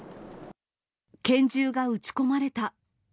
拳銃が撃ち込まれた。